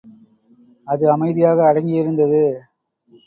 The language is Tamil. அது அமைதியாக அடங்கியிருந்தது.